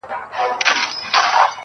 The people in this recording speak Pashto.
o د گل خندا.